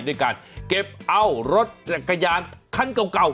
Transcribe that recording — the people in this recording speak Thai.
ด้วยการเก็บเอารถจักรยานคันเก่า